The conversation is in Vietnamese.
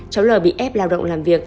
cháu lò bị ép lao động làm việc